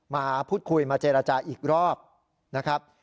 มาพูดคุยมาเจรจาอีกรอบนะครับ